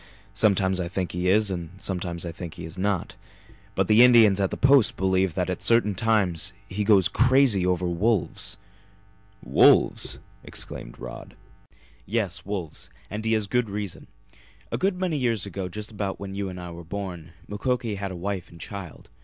Sometimes I think he is and sometimes I think he is not. But the Indians at the Post believe that at certain times he goes crazy over wolves." "Wolves!" exclaimed Rod. "Yes, wolves. And he has good reason. A good many years ago, just about when you and I were born, Mukoki had a wife and child.